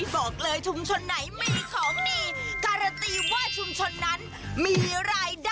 บอกเลยชุมชนไหนมีของดีการันตีว่าชุมชนนั้นมีรายได้